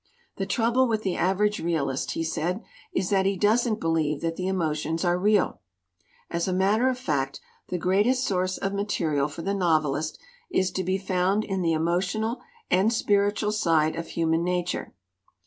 "The trouble with the average realist," he said, "is that he doesn't believe that the emo tions are real. As a matter of fact, the greatest 195 LITERATURE IN THE MAKING source of material for the novelist is to be found in the emotional and spiritual side of human nature.